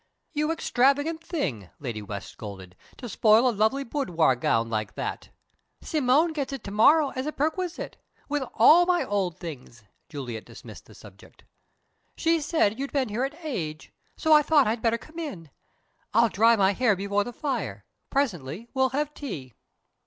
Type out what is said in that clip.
"You extravagant thing," Lady West scolded, "to spoil a lovely boudoir gown like that!" "Simone gets it to morrow as a perquisite, with all my old things," Juliet dismissed the subject. "She said you'd been here an age, so I thought I'd better come in. I'll dry my hair before the fire, presently we'll have tea."